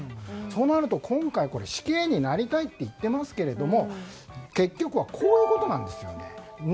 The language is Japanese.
となると、今回死刑になりたいといっていますけど結局はこういうことなんですよ。